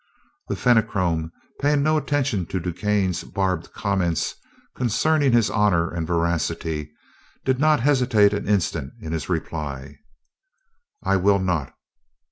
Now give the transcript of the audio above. The Fenachrone, paying no attention to DuQuesne's barbed comments concerning his honor and veracity, did not hesitate an instant in his reply. "I will not.